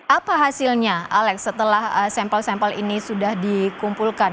apa hasilnya alex setelah sampel sampel ini sudah dikumpulkan